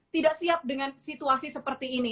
tidak siap dengan situasi seperti ini